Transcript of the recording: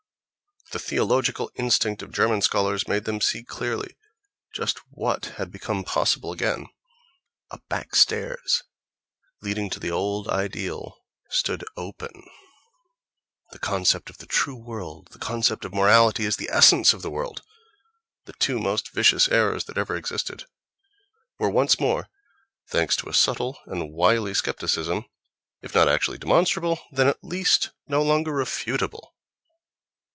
The theological instinct of German scholars made them see clearly just what had become possible again.... A backstairs leading to the old ideal stood open; the concept of the "true world," the concept of morality as the essence of the world (—the two most vicious errors that ever existed!), were once more, thanks to a subtle and wily scepticism, if not actually demonstrable, then at least no longer refutable....